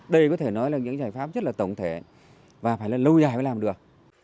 đây có thể nói là những giải pháp rất là tổng thể và phải là lâu dài mới làm được